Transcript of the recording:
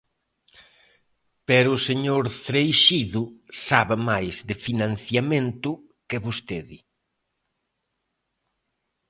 Pero o señor Cereixido sabe máis de financiamento que vostede.